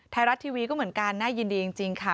ไทยรัฐทีวีก็เหมือนกันน่ายินดีจริงค่ะ